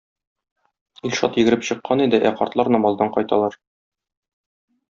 Илшат йөгереп чыккан иде, ә картлар намаздан кайталар.